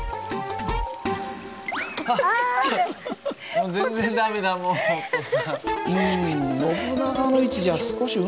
もう全然駄目だもうお父さん。